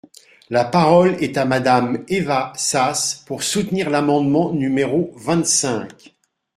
La parole est à Madame Eva Sas, pour soutenir l’amendement numéro vingt-cinq.